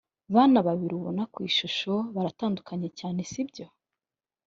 bana babiri ubona ku ishusho baratandukanye cyane si byo